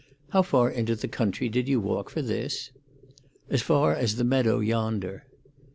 "How far into the country did you walk for this?" "As far as the meadow yonder."